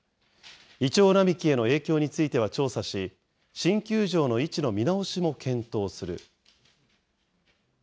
イチョウ並木への影響については調査し、新球場の位置の見直しも検討する。